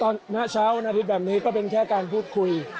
ก็ณปัจจุบันณเช้าณอาทิตย์แบบนี้ก็เป็นแค่การพูดคุย